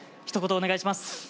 一言、お願いします。